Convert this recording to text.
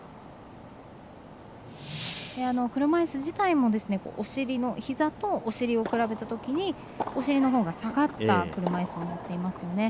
車いす自体もひざとお尻を比べたときにお尻のほうが下がった車いすですよね。